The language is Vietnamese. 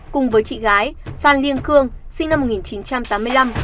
cùng với chị gái phan liên khương sinh năm một nghìn chín trăm tám mươi năm